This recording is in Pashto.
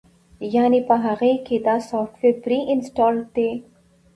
يعنې پۀ هغۀ کښې دا سافټوېر پري انسټالډ دے